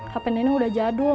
hp nenek udah jadul